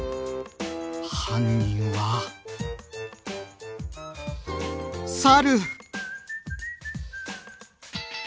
犯人は猿！